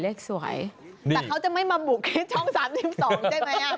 แต่เขาจะไม่มาบุกที่ช่อง๓๒ใช่ไหม